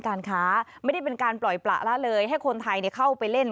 การค้าไม่ได้เป็นการปล่อยประละเลยให้คนไทยเข้าไปเล่น